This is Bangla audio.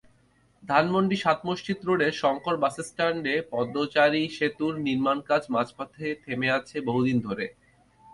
ধানমন্ডি সাতমসজিদ রোডের শংকর বাসস্ট্যান্ডে পদচারী-সেতুর নির্মাণকাজ মাঝপথে থেমে আছে বহুদিন ধরে।